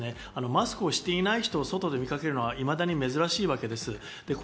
マスクをしていない人を外で見かけるのはいまだに珍しいわけです。